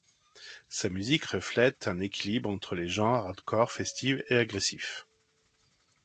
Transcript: Sa musique reflète un équilibre entre les genres hardcores festifs et agressifs.